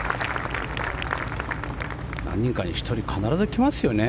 何人かに１人必ず行きますよね。